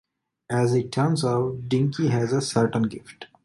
As it turns out, Dinky has a certain gift.